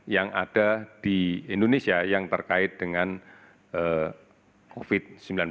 yang ada di indonesia yang terkait dengan covid sembilan belas